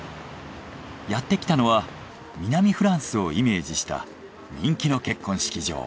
やってきたのは南フランスをイメージした人気の。